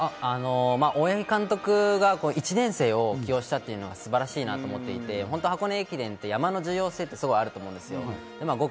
大八木監督が１年生を起用したというのが素晴らしいなと思っていて、箱根駅伝って山の重要性ってあると思うんです。